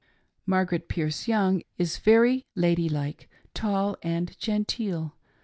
] Margaret Pierce Young is very lady like, tall, and genteel.